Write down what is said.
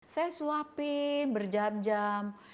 saya suapin berjam jam